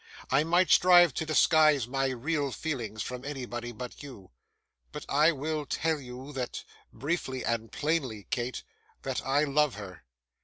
I might strive to disguise my real feelings from anybody but you; but I will tell you that briefly and plainly, Kate that I love her.